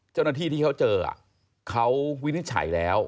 เจ้าหน้าที่ที่เขาเจอเขาวินิจฉัยแล้ว